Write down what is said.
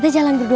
kan tak ngengeru